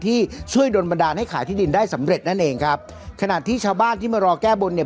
ที่ช่วยโดนบันดาลให้ขายที่ดินได้สำเร็จนั่นเองครับขณะที่ชาวบ้านที่มารอแก้บนเนี่ย